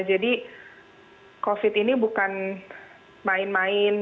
jadi covid ini bukan main main